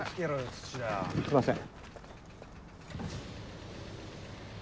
すいません。